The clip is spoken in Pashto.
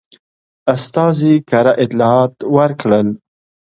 استازي کره اطلاعات ورکړل.